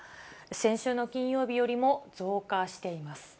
先週の金曜日よりも増加しています。